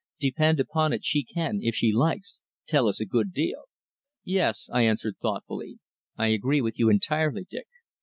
Depend upon it she can, if she likes, tell us a good deal." "Yes," I answered thoughtfully, "I agree with you entirely, Dick.